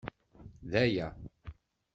D aya.